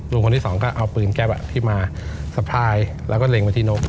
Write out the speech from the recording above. คนที่สองก็เอาปืนแก๊ปที่มาสะพายแล้วก็เล็งไปที่นก